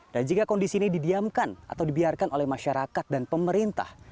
dan jika kondisi ini didiamkan atau dibiarkan oleh masyarakat dan pemerintah